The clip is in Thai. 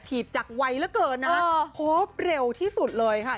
ถีดจากวัยแล้วเกินนะครบเร็วที่สุดเลยค่ะ